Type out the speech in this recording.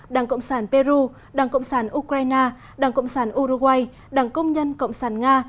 đảng cộng sản peru đảng cộng sản ukraine đảng cộng sản uruguay đảng công nhân cộng sản nga